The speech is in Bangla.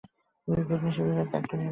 দুই ভগ্নী শিবিকা ত্যাগ করিয়া বাহিরে আসিল।